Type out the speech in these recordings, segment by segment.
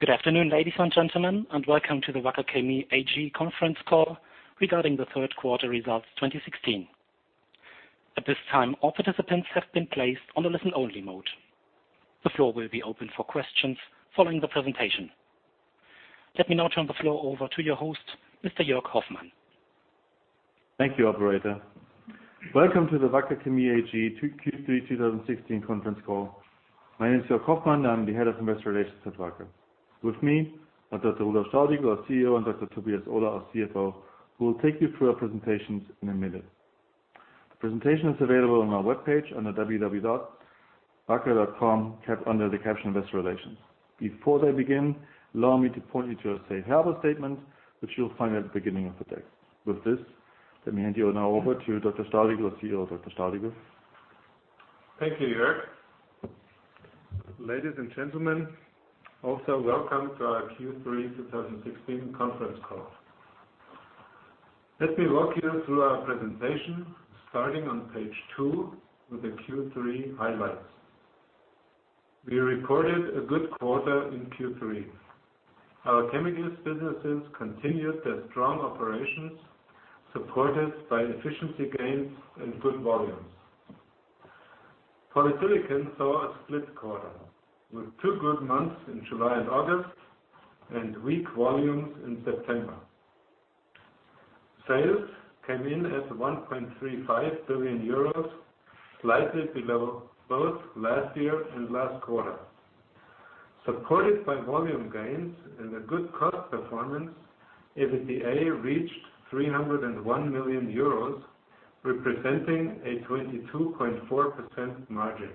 Good afternoon, ladies and gentlemen, and welcome to the Wacker Chemie AG conference call regarding the third quarter results 2016. At this time, all participants have been placed on a listen-only mode. The floor will be open for questions following the presentation. Let me now turn the floor over to your host, Mr. Joerg Hoffmann. Thank you, operator. Welcome to the Wacker Chemie AG Q3 2016 conference call. My name is Joerg Hoffmann. I am the Head of Investor Relations at Wacker. With me are Dr. Rudolf Staudigl, our CEO, and Dr. Tobias Ohler, our CFO, who will take you through our presentations in a minute. The presentation is available on our webpage under www.wacker.com under the caption Investor Relations. Before they begin, allow me to point you to our safe harbor statement, which you will find at the beginning of the deck. With this, let me hand you now over to Dr. Staudigl, our CEO. Dr. Staudigl. Thank you, Joerg. Ladies and gentlemen, also welcome to our Q3 2016 conference call. Let me walk you through our presentation, starting on page two with the Q3 highlights. We reported a good quarter in Q3. Our chemicals businesses continued their strong operations, supported by efficiency gains and good volumes. Polysilicon saw a split quarter, with two good months in July and August and weak volumes in September. Sales came in at €1.35 billion, slightly below both last year and last quarter. Supported by volume gains and a good cost performance, EBITDA reached €301 million, representing a 22.4% margin.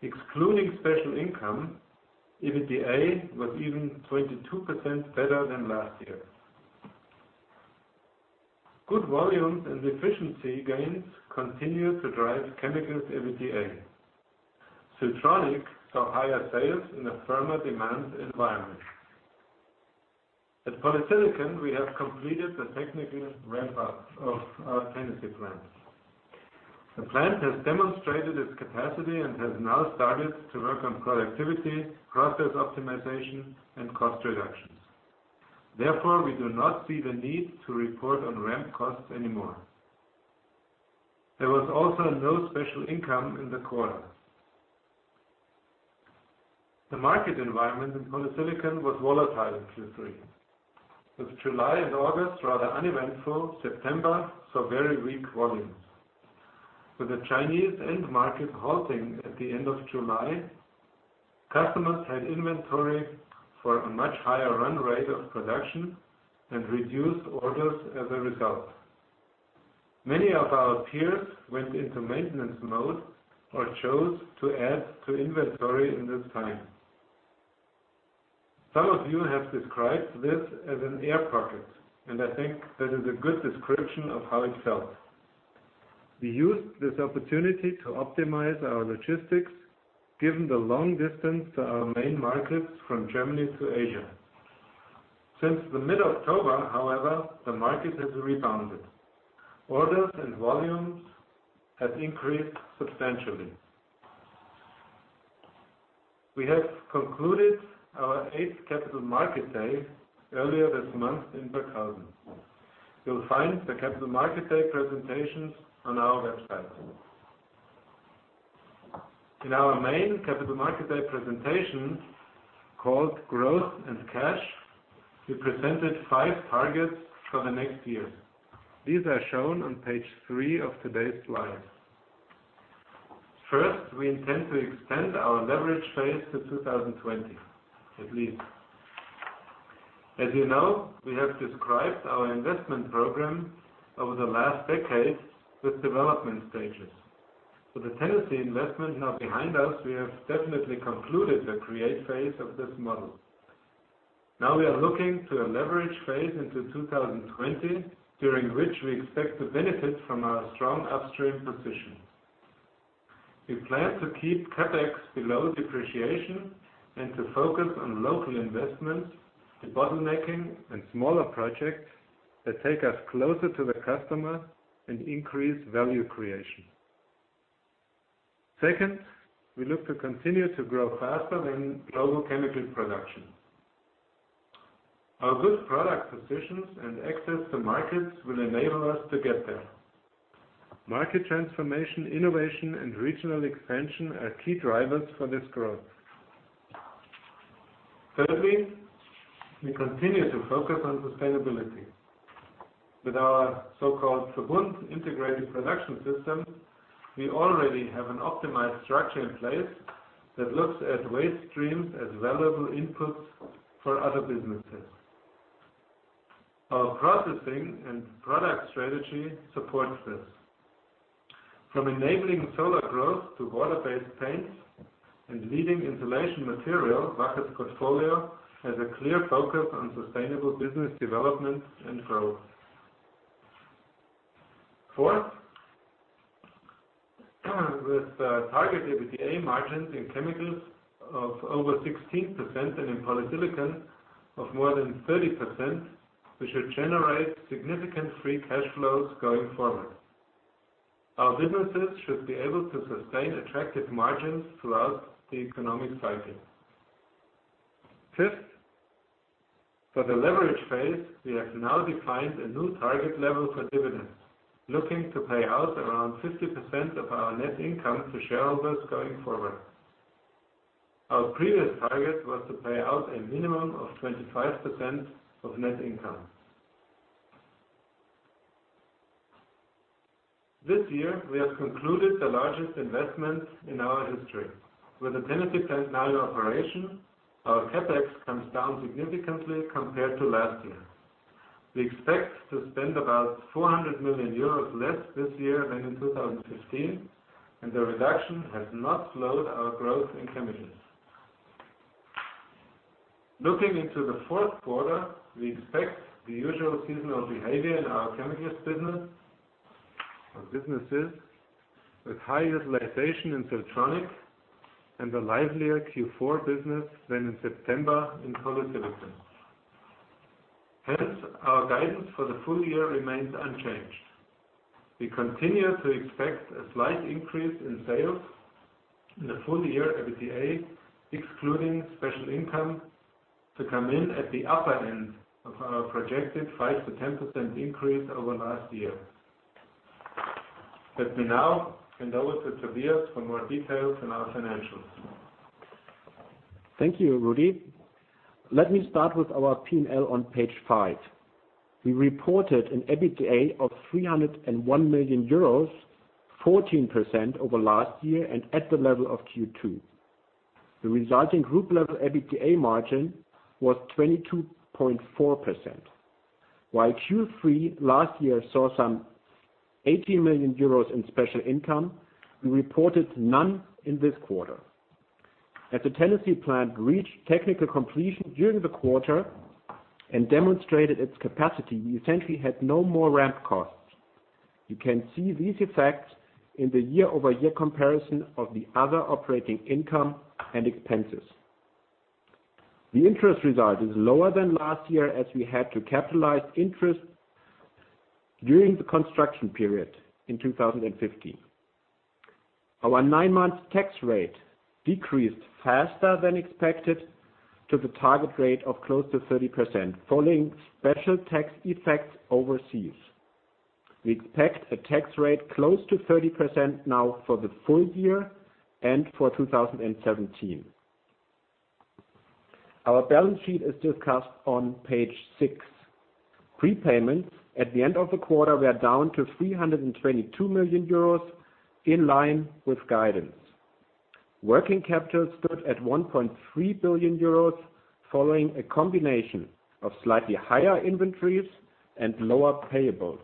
Excluding special income, EBITDA was even 22% better than last year. Good volumes and efficiency gains continue to drive chemicals EBITDA. Siltronic saw higher sales in a firmer demand environment. At Polysilicon, we have completed the technical ramp-up of our Tennessee plant. The plant has demonstrated its capacity and has now started to work on productivity, process optimization, and cost reductions. Therefore, we do not see the need to report on ramp costs anymore. There was also no special income in the quarter. The market environment in polysilicon was volatile in Q3. With July and August rather uneventful, September saw very weak volumes. With the Chinese end market halting at the end of July, customers had inventory for a much higher run rate of production and reduced orders as a result. Many of our peers went into maintenance mode or chose to add to inventory in this time. Some of you have described this as an air pocket, and I think that is a good description of how it felt. We used this opportunity to optimize our logistics, given the long distance to our main markets from Germany to Asia. Since mid-October, however, the market has rebounded. Orders and volumes have increased substantially. We have concluded our eighth Capital Market Day earlier this month in Burghausen. You will find the Capital Market Day presentations on our website. In our main Capital Market Day presentation, called Growth and Cash, we presented five targets for the next year. These are shown on page three of today's slides. First, we intend to extend our leverage phase to 2020, at least. As you know, we have described our investment program over the last decade with development stages. With the Tennessee investment now behind us, we have definitely concluded the create phase of this model. Now we are looking to a leverage phase into 2020, during which we expect to benefit from our strong upstream position. We plan to keep CapEx below depreciation and to focus on local investments in bottlenecking and smaller projects that take us closer to the customer and increase value creation. Secondly, we look to continue to grow faster than global chemical production. Our good product positions and access to markets will enable us to get there. Market transformation, innovation, and regional expansion are key drivers for this growth. Thirdly, we continue to focus on sustainability. With our so-called Verbund integrated production system, we already have an optimized structure in place that looks at waste streams as valuable inputs for other businesses. Our processing and product strategy supports this. From enabling solar growth to water-based paints and leading insulation material, Wacker's portfolio has a clear focus on sustainable business development and growth. Fourth, with target EBITDA margins in chemicals of over 16% and in polysilicon of more than 30%, we should generate significant free cash flows going forward. Our businesses should be able to sustain attractive margins throughout the economic cycle. Fifth, for the leverage phase, we have now defined a new target level for dividends, looking to pay out around 50% of our net income to shareholders going forward. Our previous target was to pay out a minimum of 25% of net income. This year, we have concluded the largest investment in our history. With the Tennessee plant now in operation, our CapEx comes down significantly compared to last year. We expect to spend about 400 million euros less this year than in 2015, and the reduction has not slowed our growth in chemicals. Looking into the fourth quarter, we expect the usual seasonal behavior in our chemicals business, our businesses, with high utilization in Siltronic and a livelier Q4 business than in September in polysilicon. Hence, our guidance for the full year remains unchanged. We continue to expect a slight increase in sales in the full-year EBITDA, excluding special income to come in at the upper end of our projected 5%-10% increase over last year. Let me now hand over to Tobias for more details on our financials. Thank you, Rudi. Let me start with our P&L on page five. We reported an EBITDA of 301 million euros, 14% over last year and at the level of Q2. The resulting group-level EBITDA margin was 22.4%, while Q3 last year saw some 80 million euros in special income, we reported none in this quarter. As the Tennessee plant reached technical completion during the quarter and demonstrated its capacity, we essentially had no more ramp costs. You can see these effects in the year-over-year comparison of the other operating income and expenses. The interest result is lower than last year as we had to capitalize interest during the construction period in 2015. Our nine-month tax rate decreased faster than expected to the target rate of close to 30%, following special tax effects overseas. We expect a tax rate close to 30% now for the full year and for 2017. Our balance sheet is discussed on page six. Prepayments at the end of the quarter were down to 322 million euros, in line with guidance. Working capital stood at 1.3 billion euros, following a combination of slightly higher inventories and lower payables.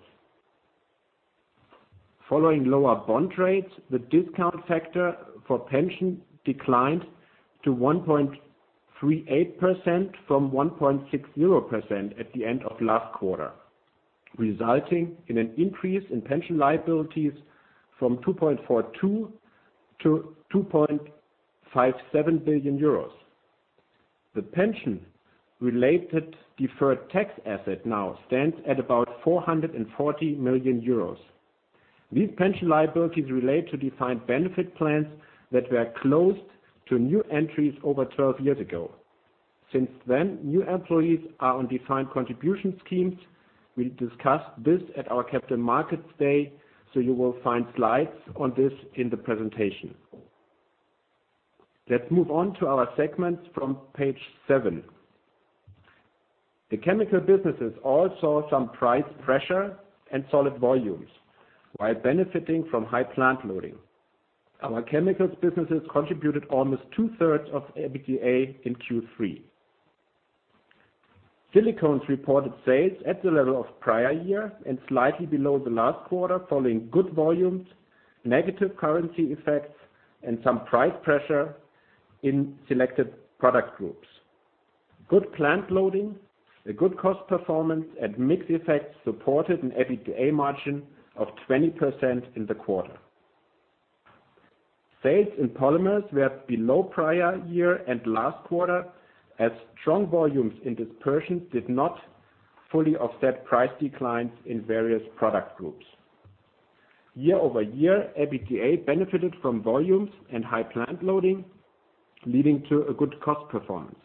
Following lower bond rates, the discount factor for pension declined to 1.38% from 1.60% at the end of last quarter, resulting in an increase in pension liabilities from 2.42 billion to 2.57 billion euros. The pension-related deferred tax asset now stands at about 440 million euros. These pension liabilities relate to defined benefit plans that were closed to new entries over 12 years ago. Since then, new employees are on defined contribution schemes. We discussed this at our Capital Markets Day, you will find slides on this in the presentation. Let's move on to our segments from page seven. The chemical businesses all saw some price pressure and solid volumes while benefiting from high plant loading. Our chemicals businesses contributed almost two-thirds of EBITDA in Q3. Silicones reported sales at the level of prior year and slightly below the last quarter, following good volumes, negative currency effects, and some price pressure in selected product groups. Good plant loading, a good cost performance, and mix effects supported an EBITDA margin of 20% in the quarter. Sales in Polymers were below prior year and last quarter, as strong volumes in dispersions did not fully offset price declines in various product groups. Year-over-year, EBITDA benefited from volumes and high plant loading, leading to a good cost performance.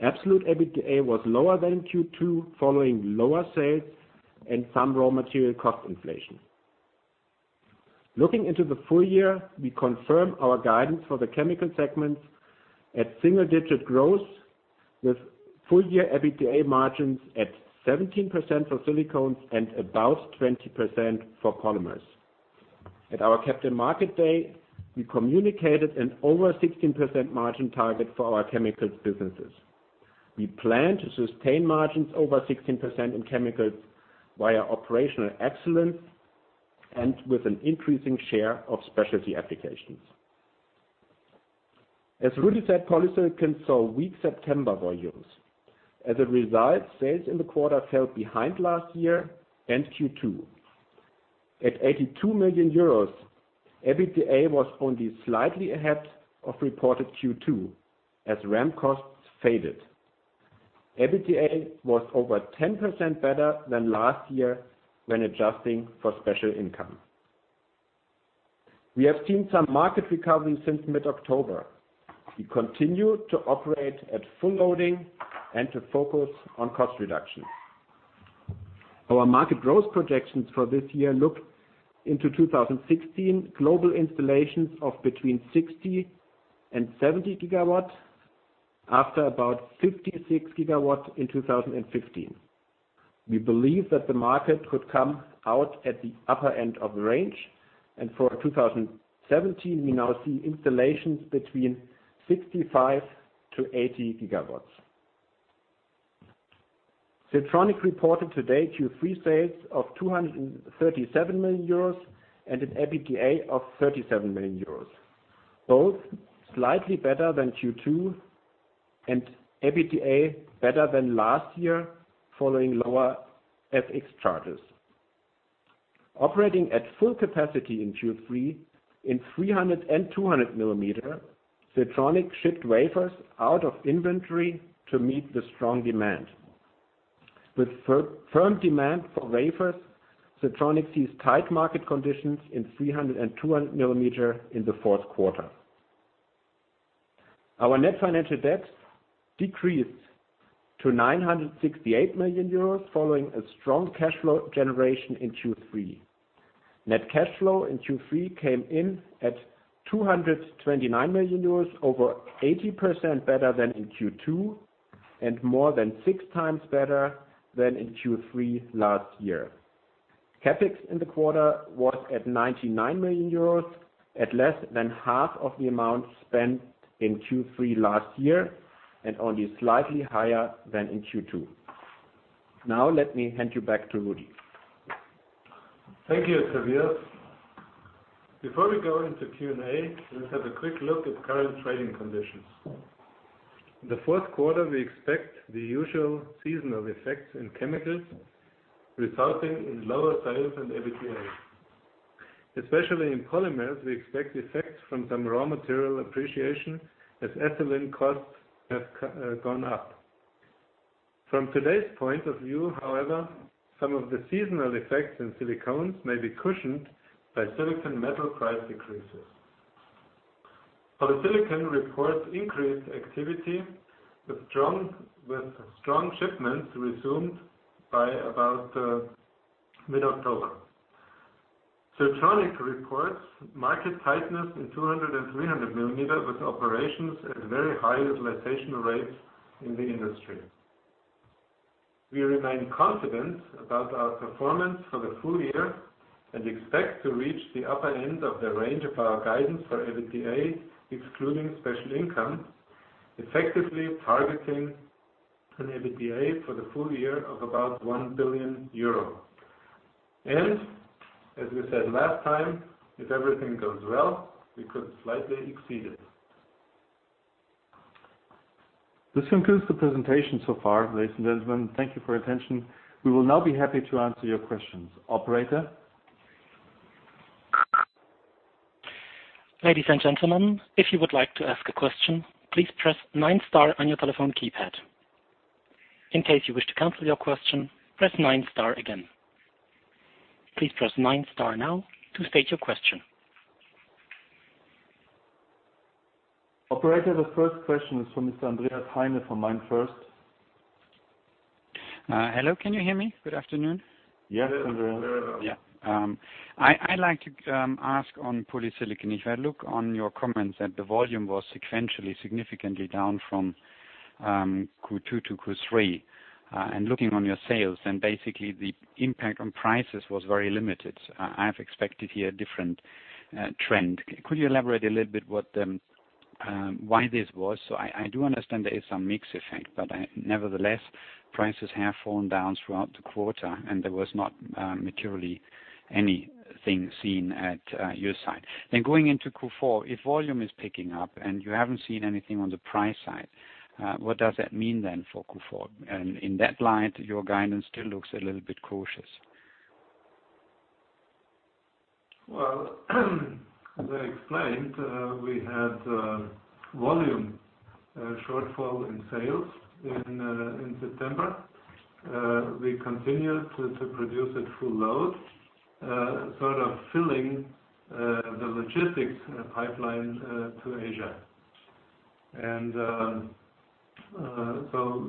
Absolute EBITDA was lower than in Q2, following lower sales and some raw material cost inflation. Looking into the full year, we confirm our guidance for the chemical segment at single-digit growth, with full-year EBITDA margins at 17% for Silicones and about 20% for Polymers. At our Capital Markets Day, we communicated an over 16% margin target for our chemicals businesses. We plan to sustain margins over 16% in chemicals via operational excellence and with an increasing share of specialty applications. As Rudi said, polysilicon saw weak September volumes. As a result, sales in the quarter fell behind last year and Q2. At 82 million euros, EBITDA was only slightly ahead of reported Q2 as ramp costs faded. EBITA was over 10% better than last year when adjusting for special income. We have seen some market recovery since mid-October. We continue to operate at full loading and to focus on cost reduction. Our market growth projections for this year look into 2016 global installations of between 60 and 70 gigawatts, after about 56 gigawatts in 2015. For 2017, we now see installations between 65 to 80 gigawatts. Siltronic reported today Q3 sales of 237 million euros and an EBITDA of 37 million euros, both slightly better than Q2 and EBITDA better than last year following lower FX charges. Operating at full capacity in Q3 in 300 and 200 millimeter, Siltronic shipped wafers out of inventory to meet the strong demand. With firm demand for wafers, Siltronic sees tight market conditions in 300 and 200 millimeter in the fourth quarter. Our net financial debt decreased to 698 million euros following a strong cash flow generation in Q3. Net cash flow in Q3 came in at 229 million euros, over 80% better than in Q2, and more than six times better than in Q3 last year. CapEx in the quarter was at 99 million euros, at less than half of the amount spent in Q3 last year, and only slightly higher than in Q2. Let me hand you back to Rudi. Thank you, Tobias. Before we go into Q&A, let's have a quick look at current trading conditions. In the fourth quarter, we expect the usual seasonal effects in chemicals, resulting in lower sales and EBITDA. Especially in polymers, we expect effects from some raw material appreciation as ethylene costs have gone up. From today's point of view, however, some of the seasonal effects in silicones may be cushioned by silicon metal price decreases. Polysilicon reports increased activity with strong shipments resumed by about mid-October. Siltronic reports market tightness in 200 and 300 millimeter, with operations at very high utilization rates in the industry. We remain confident about our performance for the full year and expect to reach the upper end of the range of our guidance for EBITDA, excluding special income, effectively targeting an EBITDA for the full year of about 1 billion euro. As we said last time, if everything goes well, we could slightly exceed it. This concludes the presentation so far, ladies and gentlemen. Thank you for attention. We will now be happy to answer your questions. Operator? Ladies and gentlemen, if you would like to ask a question, please press nine star on your telephone keypad. In case you wish to cancel your question, press nine star again. Please press nine star now to state your question. Operator, the first question is from Mr. Andreas Heine from MainFirst. Hello, can you hear me? Good afternoon. Yes, Andreas. I'd like to ask on polysilicon. If I look on your comments that the volume was sequentially significantly down from Q2 to Q3, looking on your sales, basically the impact on prices was very limited. I have expected here a different trend. Could you elaborate a little bit why this was? I do understand there is some mix effect, but nevertheless, prices have fallen down throughout the quarter, there was not materially anything seen at your side. Going into Q4, if volume is picking up and you haven't seen anything on the price side, what does that mean for Q4? In that light, your guidance still looks a little bit cautious. Well, as I explained, we had volume shortfall in sales in September. We continued to produce at full load, sort of filling the logistics pipeline to Asia.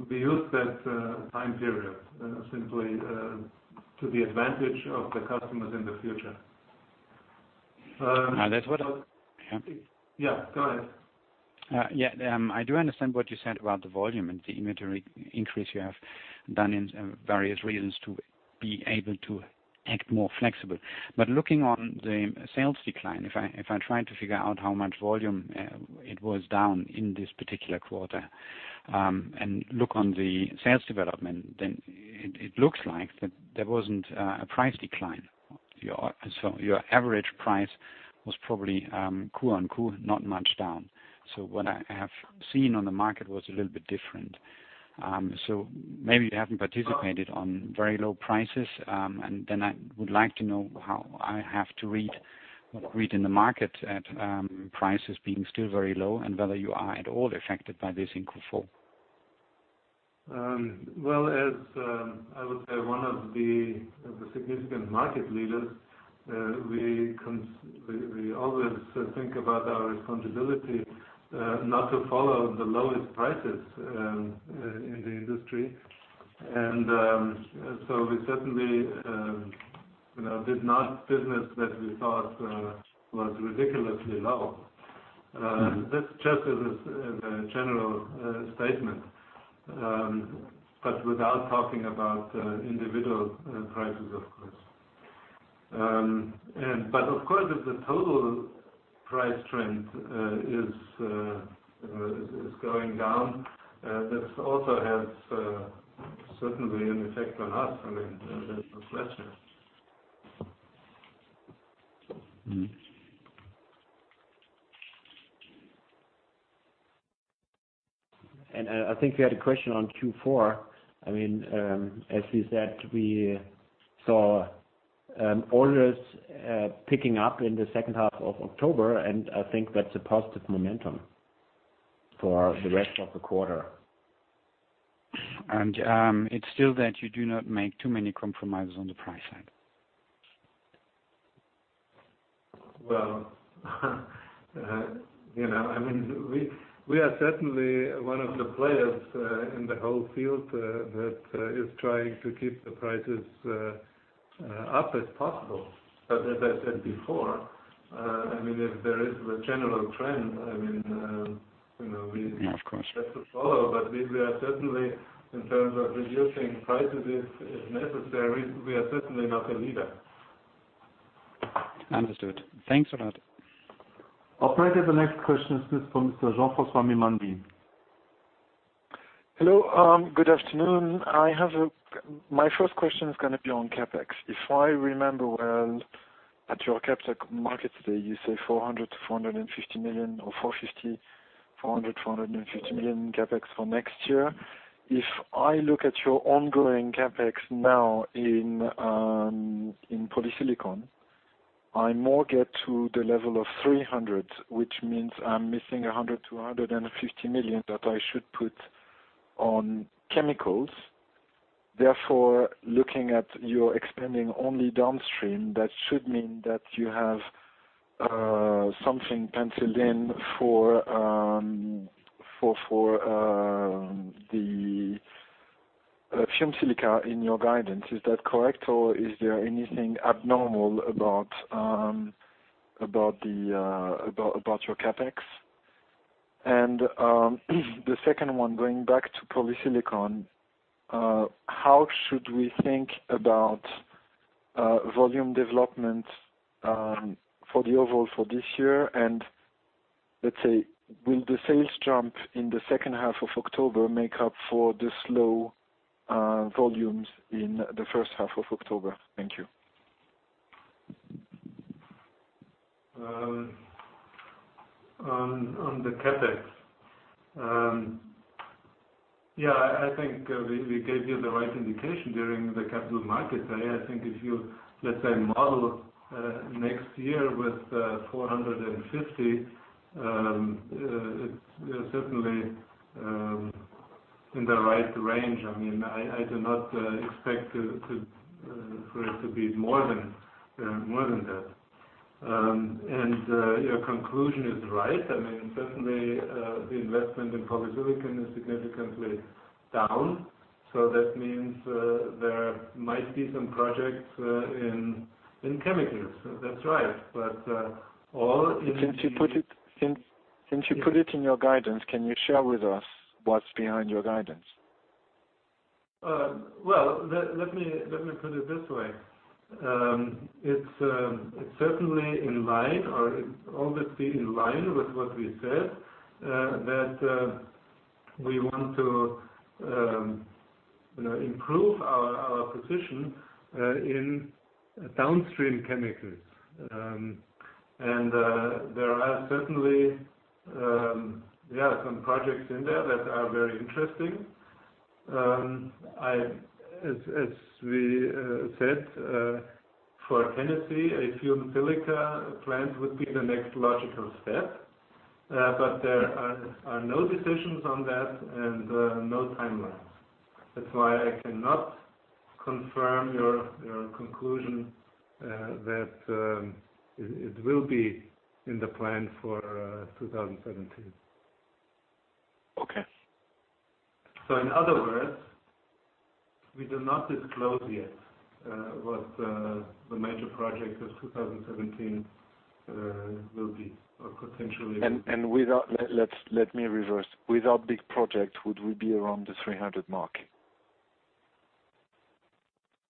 We used that time period simply to the advantage of the customers in the future. That's what I- Yeah, go ahead. I do understand what you said about the volume and the inventory increase you have done in various reasons to be able to act more flexible. Looking on the sales decline, if I try to figure out how much volume it was down in this particular quarter, and look on the sales development, then it looks like that there wasn't a price decline. Your average price was probably Q on Q, not much down. What I have seen on the market was a little bit different. Maybe you haven't participated on very low prices. Then I would like to know how I have to read in the market at prices being still very low, and whether you are at all affected by this in Q4. As I would say, one of the significant market leaders, we always think about our responsibility not to follow the lowest prices in the industry. We certainly did not business that we thought was ridiculously low. That's just as a general statement, but without talking about individual prices, of course. Of course, if the total price trend is going down, this also has certainly an effect on us. I mean, there's no question. I think we had a question on Q4. As we said, we saw orders picking up in the second half of October, and I think that's a positive momentum for the rest of the quarter. It's still that you do not make too many compromises on the price side. Well we are certainly one of the players in the whole field that is trying to keep the prices up as possible. As I said before, if there is the general trend, Yeah, of course have to follow. We are certainly, in terms of reducing prices if necessary, we are certainly not a leader. Understood. Thanks a lot. Operator, the next question is from Mr. Jean-François Gimondi. Hello. Good afternoon. My first question is going to be on CapEx. If I remember well, at your Capital Markets Day, you say 400 million to 450 million or 450 million, 400 million, 450 million CapEx for next year. If I look at your ongoing CapEx now in polysilicon, I more get to the level of 300 million, which means I'm missing 100 million to 150 million that I should put on chemicals. Therefore, looking at your expanding only downstream, that should mean that you have something penciled in for the pyrogenic silica in your guidance. Is that correct, or is there anything abnormal about your CapEx? The second one, going back to polysilicon, how should we think about volume development for the overall for this year? Let's say, will the sales jump in the second half of October make up for the slow volumes in the first half of October? Thank you. On the CapEx. Yeah, I think we gave you the right indication during the Capital Markets Day. I think if you, let's say, model next year with 450 million, it's certainly in the right range. I do not expect for it to be more than that. Your conclusion is right. Certainly, the investment in polysilicon is significantly down. That means there might be some projects in chemicals. That's right. All in the- Since you put it in your guidance, can you share with us what's behind your guidance? Well, let me put it this way. It's certainly in line, or it ought to be in line with what we said, that we want to improve our position in downstream chemicals. There are certainly some projects in there that are very interesting. As we said, for Tennessee, a pyrogenic silica plant would be the next logical step. There are no decisions on that and no timelines. That's why I cannot confirm your conclusion that it will be in the plan for 2017. Okay. In other words, we do not disclose yet what the major project of 2017 will be or potentially will be. Let me reverse. Without big projects, would we be around the 300 mark?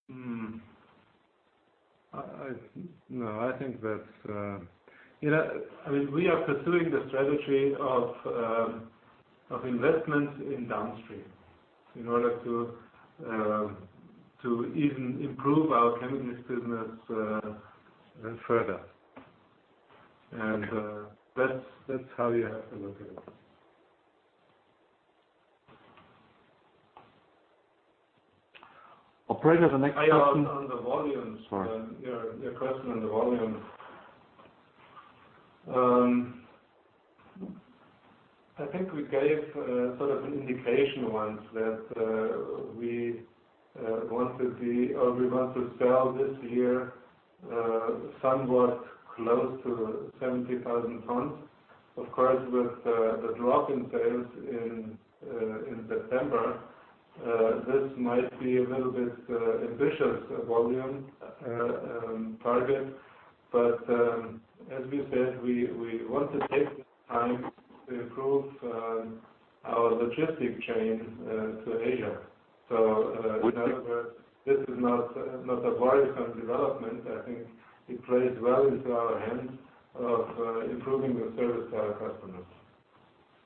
No. We are pursuing the strategy of investments in downstream in order to even improve our chemicals business even further. That's how you have to look at it. Operator, the next question. On the volumes. Sorry Your question on the volumes. I think we gave sort of an indication once that we want to sell this year somewhat close to 70,000 tons. Of course, with the drop in sales in September, this might be a little bit ambitious volume target. As we said, we want to take the time to improve our logistic chain to Asia. In other words, this is not a worrisome development. I think it plays well into our hands of improving the service to our customers.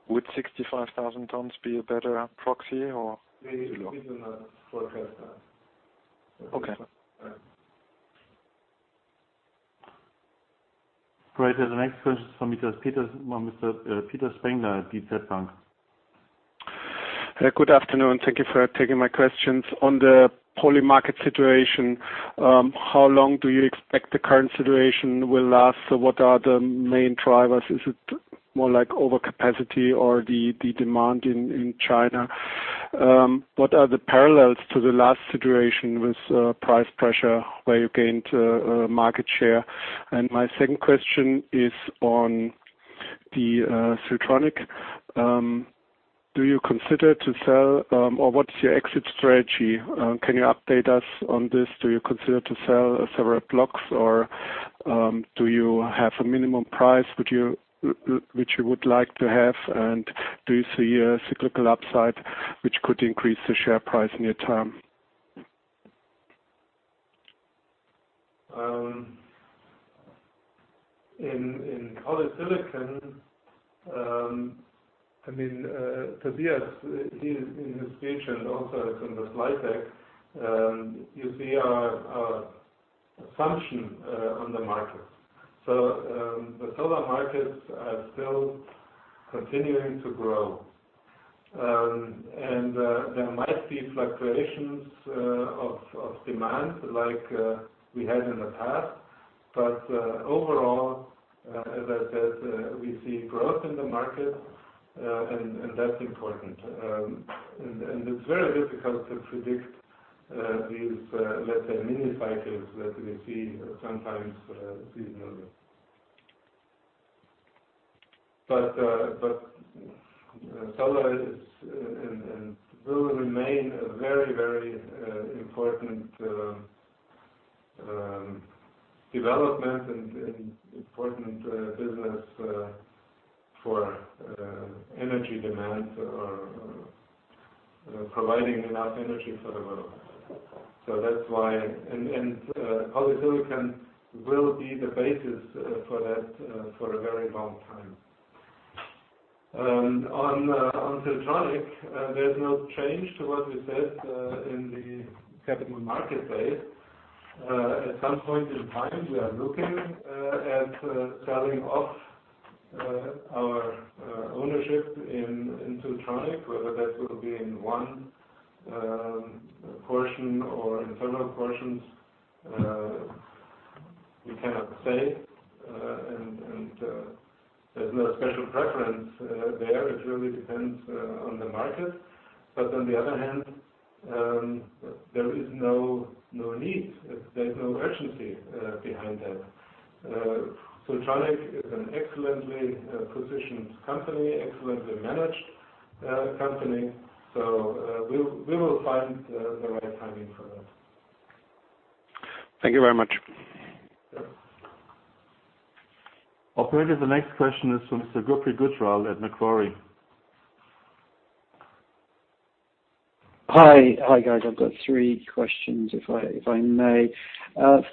Would 65,000 tons be a better proxy or too low? We do not forecast that. Okay. Yeah. Great. The next question is from Mr. Peter Spengler, DZ Bank. Good afternoon. Thank you for taking my questions. On the poly market situation, how long do you expect the current situation will last? What are the main drivers? Is it more like overcapacity or the demand in China? What are the parallels to the last situation with price pressure where you gained market share? My second question is on the Siltronic. Do you consider to sell, or what's your exit strategy? Can you update us on this? Do you consider to sell several blocks or do you have a minimum price which you would like to have? Do you see a cyclical upside, which could increase the share price near term? In polysilicon, Tobias, in his speech and also in the slide deck, you see our assumption on the market. The solar markets are still continuing to grow. There might be fluctuations of demand like we had in the past, but overall, as I said, we see growth in the market, and that's important. It's very difficult to predict these, let's say mini cycles that we see sometimes seasonally. Solar is and will remain a very important development and important business for energy demand or providing enough energy for the world. That's why. Polysilicon will be the basis for that for a very long time. On Siltronic, there's no change to what we said in the Capital Market Day. At some point in time, we are looking at selling off our ownership in Siltronic, whether that will be in one portion or in several portions, we cannot say, and there's no special preference there. It really depends on the market. On the other hand, there is no need. There's no urgency behind that. Siltronic is an excellently positioned company, excellently managed company. We will find the right timing for that. Thank you very much. Yeah. Operator, the next question is from Mr. Gopi Guchral at Macquarie. Hi, guys. I've got three questions, if I may.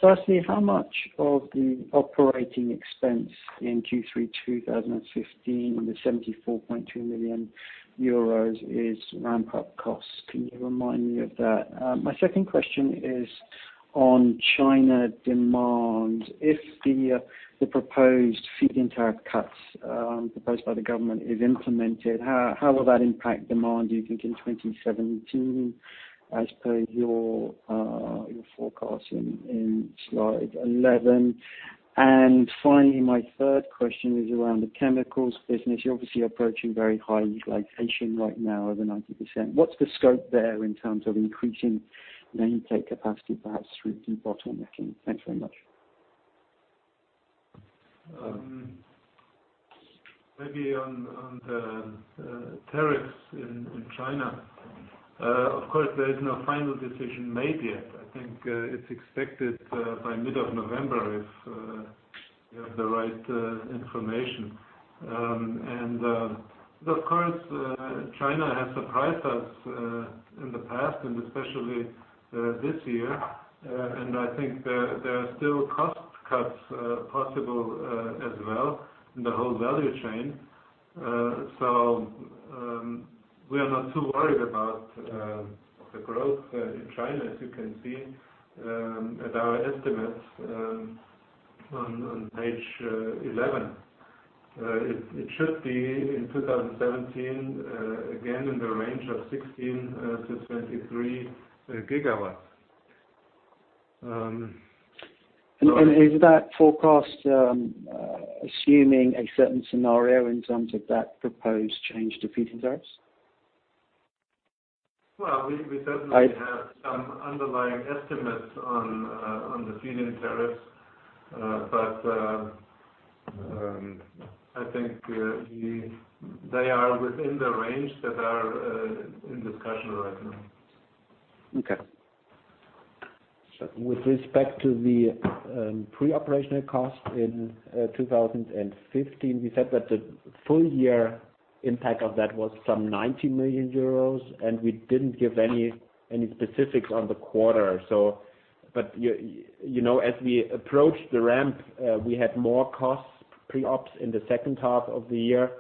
Firstly, how much of the operating expense in Q3 2015, the 74.2 million euros is ramp-up costs? Can you remind me of that? My second question is on China demand. If the proposed feed-in tariff cuts proposed by the government is implemented, how will that impact demand, do you think, in 2017, as per your forecast in slide 11? Finally, my third question is around the chemicals business. You're obviously approaching very high utilization right now of the 90%. What's the scope there in terms of increasing nameplate capacity, perhaps through debottlenecking? Thanks very much. Maybe on the tariffs in China. Of course, there is no final decision made yet. I think it's expected by mid of November, if we have the right information. Of course, China has surprised us in the past, and especially this year. I think there are still cost cuts possible as well in the whole value chain. We are not too worried about the growth in China. As you can see at our estimates on page 11. It should be in 2017, again, in the range of 16 to 23 gigawatts. Is that forecast assuming a certain scenario in terms of that proposed change to feed-in tariffs? Well, we certainly have some underlying estimates on the feed-in tariffs. I think they are within the range that are in discussion right now. Okay. With respect to the pre-operational cost in 2015, we said that the full year impact of that was some 90 million euros, and we didn't give any specifics on the quarter. As we approached the ramp, we had more costs pre-ops in the second half of the year.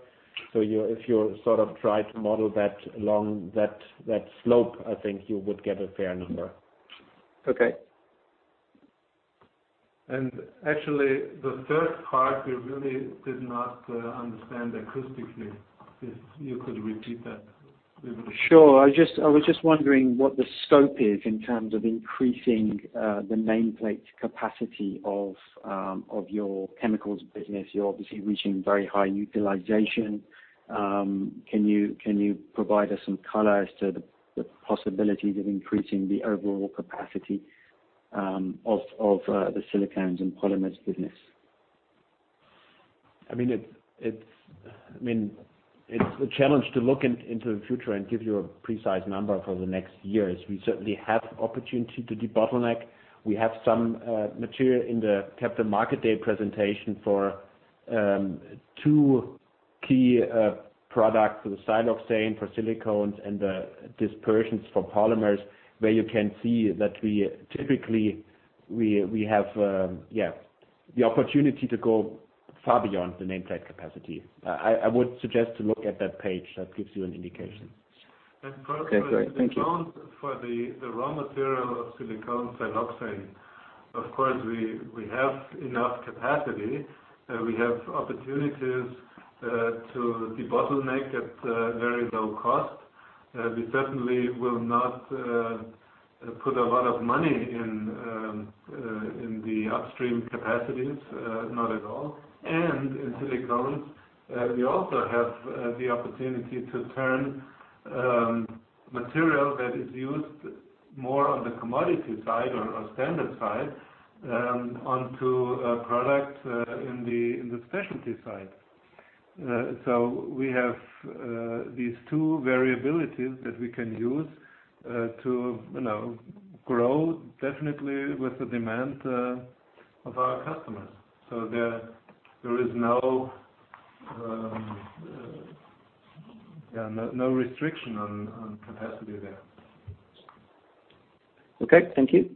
If you try to model that along that slope, I think you would get a fair number. Okay. Actually, the first part, we really did not understand acoustically. If you could repeat that. Sure. I was just wondering what the scope is in terms of increasing the nameplate capacity of your chemicals business. You're obviously reaching very high utilization. Can you provide us some color as to the possibilities of increasing the overall capacity of the Silicones and Polymers business? It's a challenge to look into the future and give you a precise number for the next years. We certainly have opportunity to debottleneck. We have some material in the Capital Market Day presentation for two key products, the siloxane for Silicones and the Dispersions for Polymers, where you can see that we typically have the opportunity to go far beyond the nameplate capacity. I would suggest to look at that page. That gives you an indication. Okay, great. Thank you. For the raw material of silicone, siloxane. Of course, we have enough capacity. We have opportunities to debottleneck at very low cost. We certainly will not put a lot of money in the upstream capacities. Not at all. In silicones, we also have the opportunity to turn material that is used more on the commodity side or standard side onto a product in the specialty side. We have these two variabilities that we can use to grow definitely with the demand of our customers. There is no restriction on capacity there. Okay. Thank you.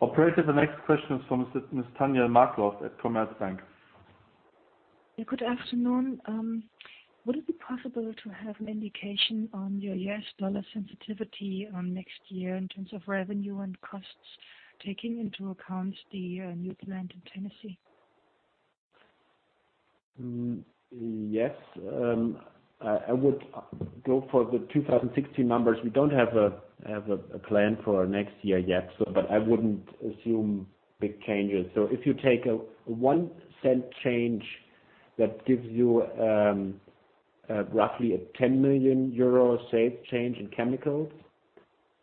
Operator, the next question is from Ms. Tanja Markloff at Commerzbank. Good afternoon. Would it be possible to have an indication on your US dollar sensitivity on next year in terms of revenue and costs, taking into account the new plant in Tennessee? Yes. I would go for the 2016 numbers. We don't have a plan for next year yet, I wouldn't assume big changes. If you take a 0.01 change, that gives you roughly a 10 million euro safe change in chemicals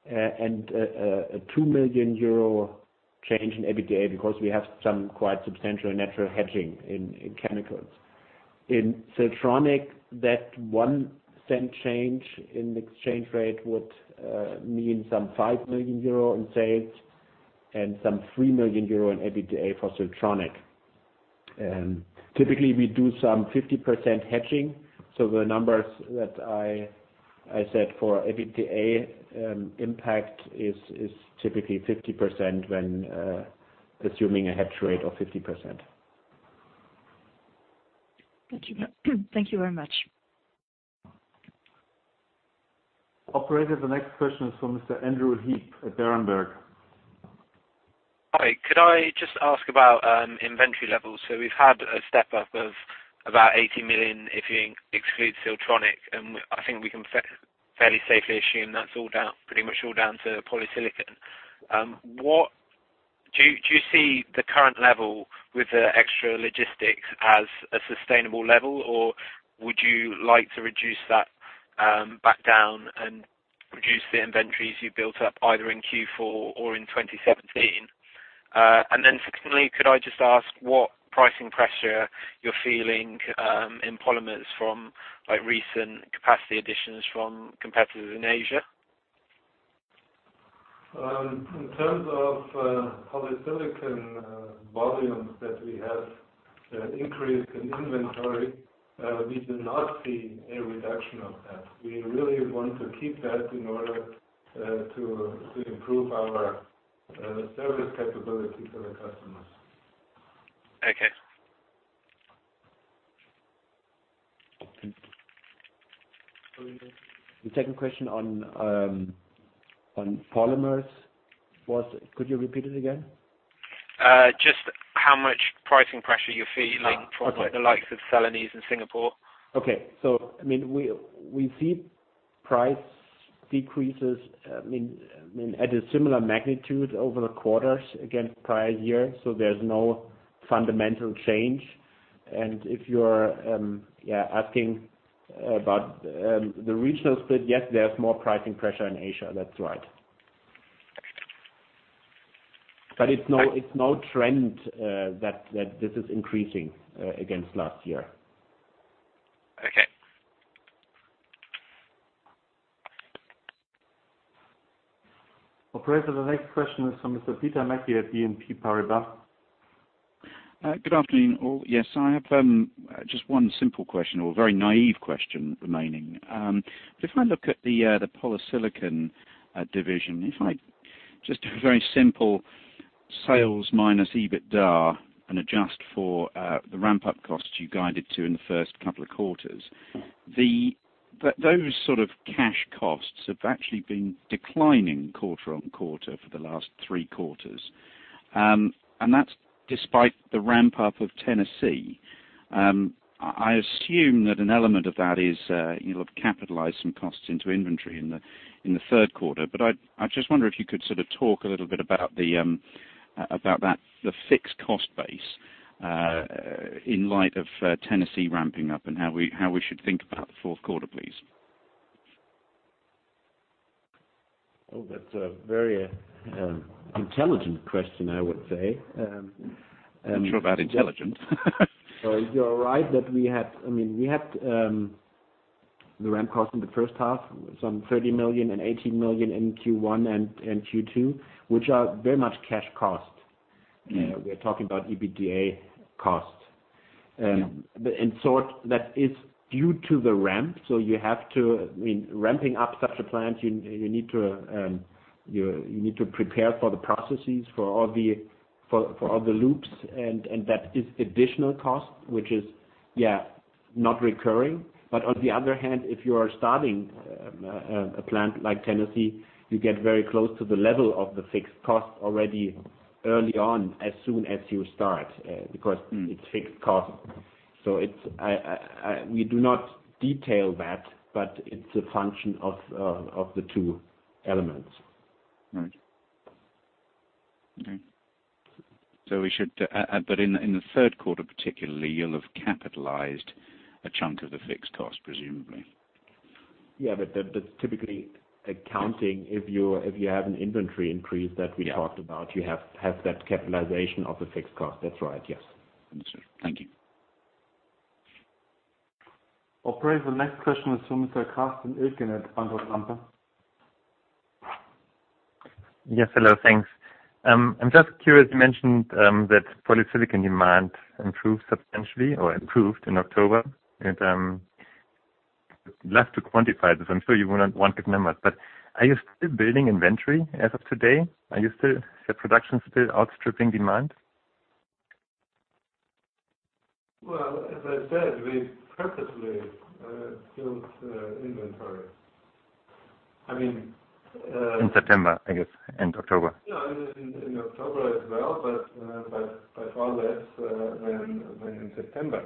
and a 2 million euro change in EBITDA because we have some quite substantial natural hedging in chemicals. In Siltronic, that 0.01 change in exchange rate would mean some 5 million euro in sales and some 3 million euro in EBITDA for Siltronic. Typically, we do some 50% hedging. The numbers that I said for EBITDA impact is typically 50% when assuming a hedge rate of 50%. Thank you very much. Operator, the next question is from Mr. Andrew Heap at Berenberg. Hi. Could I just ask about inventory levels? We've had a step up of about 80 million, if you exclude Siltronic, and I think we can fairly safely assume that's pretty much all down to polysilicon. Do you see the current level with the extra logistics as a sustainable level, or would you like to reduce that back down and reduce the inventories you built up either in Q4 or in 2017? Secondly, could I just ask what pricing pressure you're feeling in polymers from recent capacity additions from competitors in Asia? In terms of polysilicon volumes that we have increased in inventory. We do not see a reduction of that. We really want to keep that in order to improve our service capability for the customers. Okay. The second question on polymers. Could you repeat it again? Just how much pricing pressure you're feeling? Okay. from the likes of Celanese in Singapore? Okay. We see price decreases at a similar magnitude over the quarters against prior years. There's no fundamental change. If you're asking about the regional split, yes, there's more pricing pressure in Asia. That's right. It's no trend that this is increasing against last year. Okay. Operator, the next question is from Mr. Peter Mackie at BNP Paribas. Good afternoon, all. Yes, I have just one simple question or very naive question remaining. If I look at the polysilicon division, if I just do a very simple sales minus EBITDA and adjust for the ramp-up costs you guided to in the first couple of quarters. Those sort of cash costs have actually been declining quarter on quarter for the last three quarters. That's despite the ramp-up of Tennessee. I assume that an element of that is you'll have capitalized some costs into inventory in the third quarter. I just wonder if you could sort of talk a little bit about the fixed cost base, in light of Tennessee ramping up and how we should think about the fourth quarter, please. Oh, that's a very intelligent question, I would say. I'm not sure about intelligent. You're right. We had the ramp cost in the first half, some 30 million and 18 million in Q1 and Q2, which are very much cash cost. We're talking about EBITDA cost. Yeah. That is due to the ramp. Ramping up such a plant, you need to prepare for the processes for all the loops, and that is additional cost, which is, yeah, not recurring. But on the other hand, if you are starting a plant like Tennessee, you get very close to the level of the fixed cost already early on, as soon as you start. Because it's fixed cost. We do not detail that, but it's a function of the two elements. Right. Okay. In the third quarter particularly, you'll have capitalized a chunk of the fixed cost, presumably. Yeah. That's typically accounting. If you have an inventory increase that we talked about- Yeah you have that capitalization of the fixed cost. That's right, yes. Understood. Thank you. Operator, the next question is from Mr. Carsten Ilgen at Bank of America. Yes. Hello, thanks. I'm just curious. You mentioned that polysilicon demand improved substantially or improved in October, and I'd love to quantify this. I'm sure you would not want to give numbers. Are you still building inventory as of today? Is your production still outstripping demand? Well, as I said, we purposely built inventory. In September, I guess, and October. Yeah, in October as well, by far less than in September.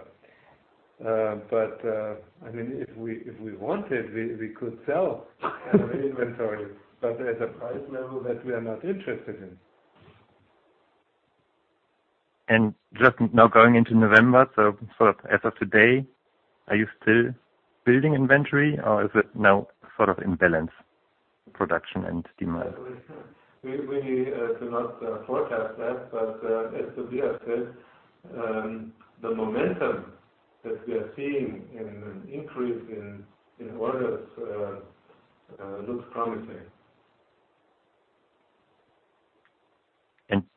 If we wanted, we could sell inventory, at a price level that we are not interested in. Just now going into November. As of today, are you still building inventory, or is it now sort of in balance, production and demand? We do not forecast that. As Tobias said, the momentum that we are seeing in an increase in orders looks promising.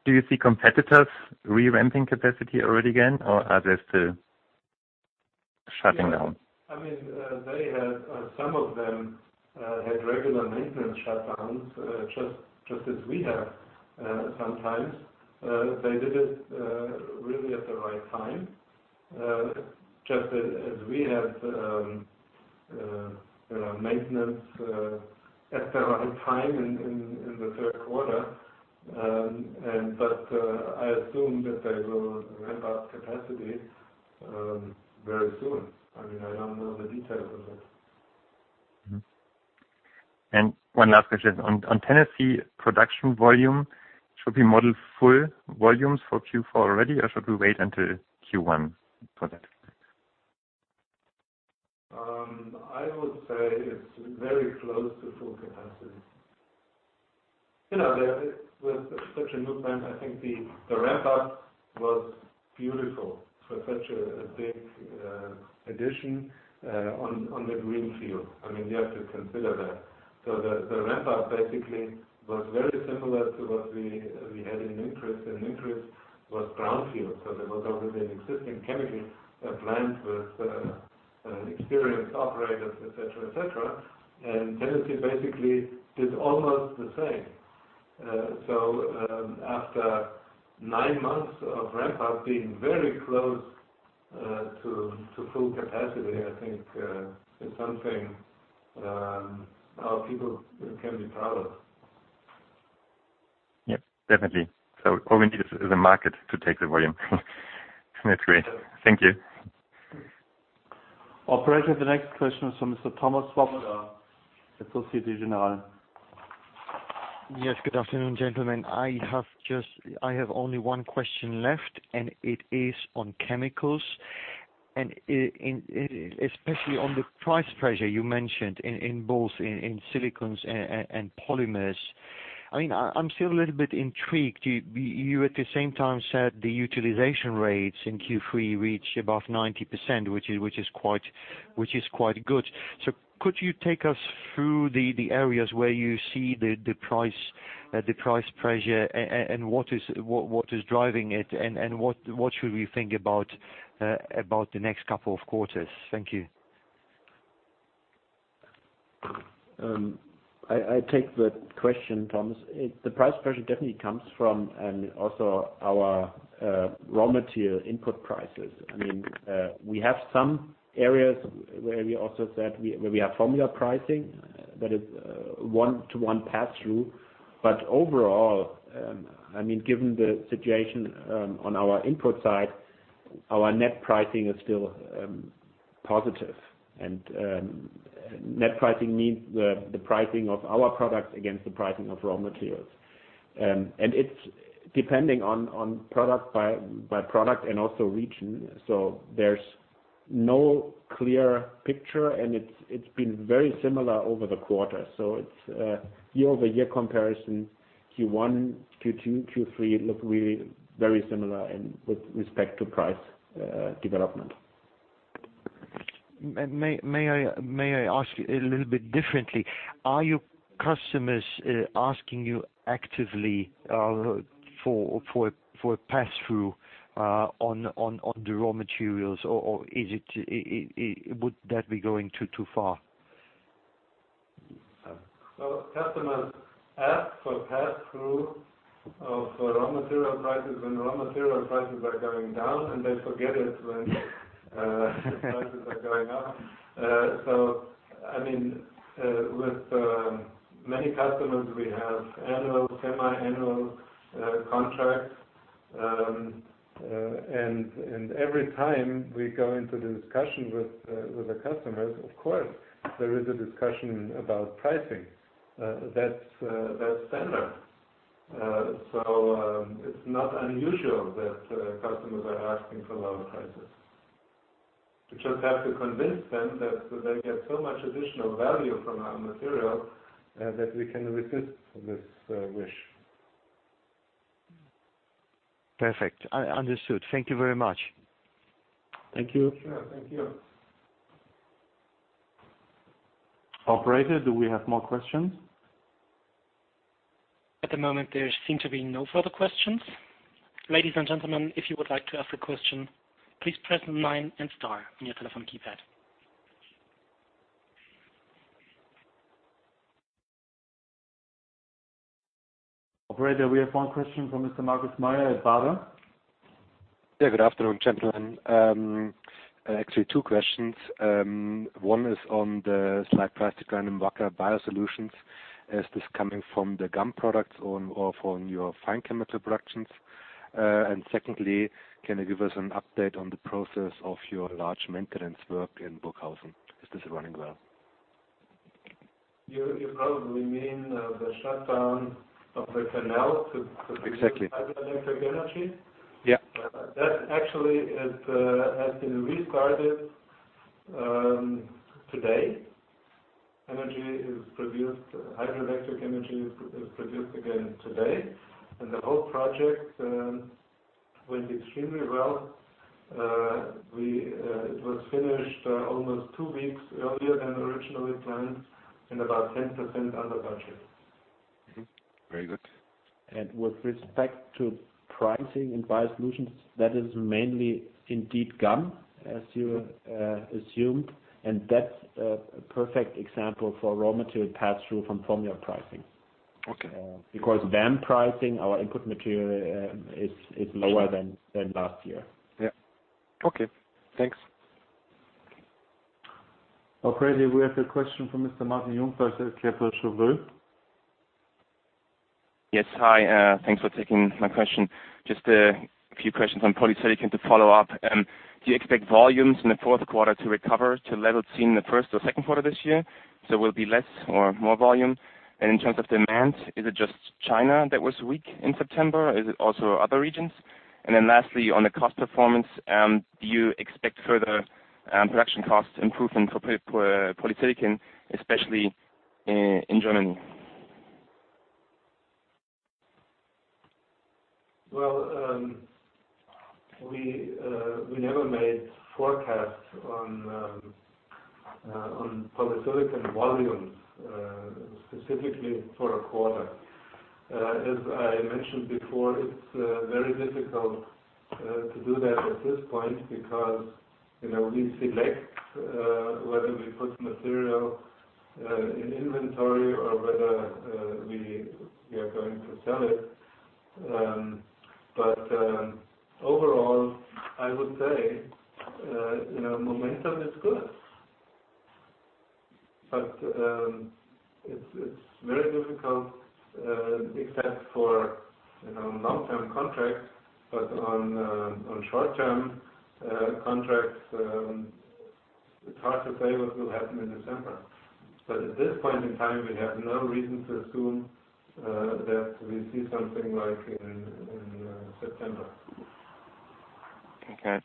Do you see competitors re-ramping capacity already again, or are they still shutting down? Some of them had regular maintenance shutdowns, just as we have sometimes. They did it really at the right time, just as we had maintenance at the right time in the third quarter. I assume that they will ramp up capacity very soon. I don't know the details of it. Mm-hmm. One last question. On Tennessee production volume, should we model full volumes for Q4 already, or should we wait until Q1 for that? I would say it's very close to full capacity. With such a new plant, I think the ramp-up was beautiful for such a big addition on the green field. You have to consider that. The ramp-up basically was very similar to what we had in Nünchritz was brownfield. There was already an existing chemical plant with experienced operators, et cetera. Tennessee basically did almost the same. After nine months of ramp up being very close to full capacity, I think is something our people can be proud of. Yes, definitely. All we need is the market to take the volume. That's great. Thank you. Operator, the next question is from Mr. Thomas Schwab at Societe Generale. Yes. Good afternoon, gentlemen. I have only one question left. It is on chemicals and especially on the price pressure you mentioned in both silicones and polymers. I am still a little bit intrigued. You at the same time said the utilization rates in Q3 reached above 90%, which is quite good. Could you take us through the areas where you see the price pressure, and what is driving it, and what should we think about the next couple of quarters? Thank you. I take the question, Thomas. The price pressure definitely comes from also our raw material input prices. We have some areas where we have formula pricing that is one-to-one pass-through. Overall, given the situation on our input side, our net pricing is still positive. Net pricing means the pricing of our products against the pricing of raw materials. It's depending on product by product and also region. There's no clear picture, and it's been very similar over the quarter. It's a year-over-year comparison. Q1, Q2, Q3 look very similar and with respect to price development. May I ask a little bit differently? Are your customers asking you actively for a pass-through on the raw materials, or would that be going too far? Customers ask for pass-through of raw material prices when raw material prices are going down, and they forget it when the prices are going up. With many customers, we have annual, semiannual contracts. Every time we go into the discussion with the customers, of course, there is a discussion about pricing. That's standard. It's not unusual that customers are asking for lower prices. We just have to convince them that they get so much additional value from our material that we can resist this wish. Perfect. Understood. Thank you very much. Thank you. Sure. Thank you. Operator, do we have more questions? At the moment, there seem to be no further questions. Ladies and gentlemen, if you would like to ask a question, please press nine and star on your telephone keypad. Operator, we have one question from Mr. Markus Mayer at Baader. Yeah. Good afternoon, gentlemen. Actually, two questions. One is on the slight price decline in WACKER BIOSOLUTIONS. Is this coming from the gum products or from your fine chemical productions? Secondly, can you give us an update on the process of your large maintenance work in Burghausen? Is this running well? You probably mean the shutdown of the canal- Exactly to produce hydroelectric energy? Yeah. That actually has been restarted today. Hydroelectric energy is produced again today. The whole project went extremely well. It was finished almost two weeks earlier than originally planned and about 10% under budget. Very good. With respect to pricing in BIOSOLUTIONS, that is mainly indeed gum, as you assumed. That's a perfect example for raw material pass-through from formula pricing. Okay. Pricing our input material is lower than last year. Yeah. Okay, thanks. Operator, we have a question from Mr. Martin Jung from. Yes. Hi. Thanks for taking my question. Just a few questions on polysilicon to follow up. Do you expect volumes in the fourth quarter to recover to levels seen in the first or second quarter this year? Will it be less or more volume? In terms of demand, is it just China that was weak in September? Is it also other regions? Lastly, on the cost performance, do you expect further production cost improvement for polysilicon, especially in Germany? Well, we never made forecasts on polysilicon volumes, specifically for a quarter. As I mentioned before, it's very difficult to do that at this point because, we select whether we put material in inventory or whether we are going to sell it. Overall, I would say, momentum is good. It's very difficult, except for long-term contracts, but on short-term contracts, it's hard to say what will happen in December. At this point in time, we have no reason to assume that we see something like in September. Okay.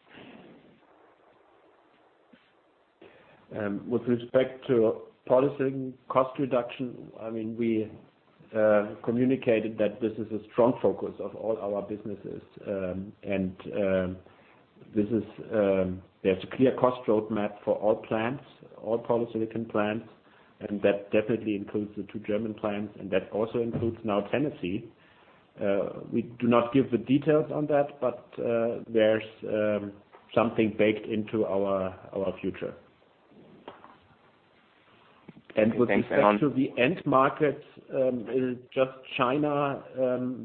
With respect to polysilicon cost reduction, we communicated that this is a strong focus of all our businesses. There's a clear cost roadmap for all plants, all polysilicon plants, and that definitely includes the two German plants, and that also includes now Tennessee. We do not give the details on that, but, there's something baked into our future. Thanks. With respect to the end markets, it is just China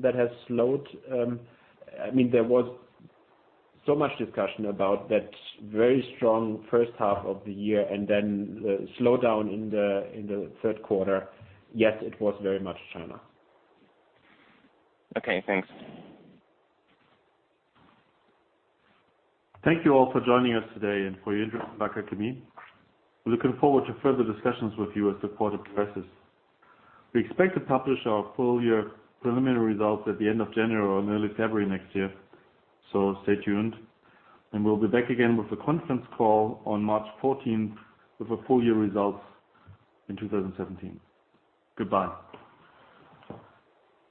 that has slowed. There was so much discussion about that very strong first half of the year and then the slowdown in the third quarter. Yes, it was very much China. Okay, thanks. Thank you all for joining us today and for your interest in Wacker Chemie. We're looking forward to further discussions with you as the quarter progresses. We expect to publish our full year preliminary results at the end of January or in early February next year. Stay tuned. We'll be back again with a conference call on March 14th with our full year results in 2017. Goodbye.